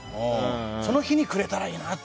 その日にくれたらいいなって。